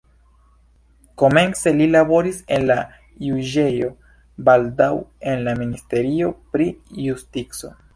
Komence li laboris en la juĝejo, baldaŭ en la ministerio pri justico.